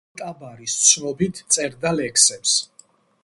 ალ-ტაბარის ცნობით წერდა ლექსებს.